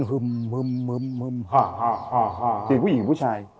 สีหู้หญิงหรือผู้ชาย